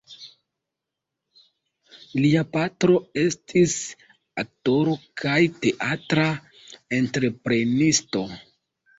Lia patro estis aktoro kaj teatra entreprenisto.